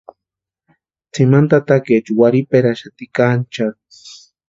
Tsimani tatakaecha warhiperaxati kancharhu.